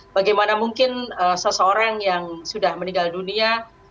bagaimana mungkin seseorang yang sudah meninggal dunia